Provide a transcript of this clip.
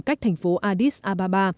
cách thành phố addis ababa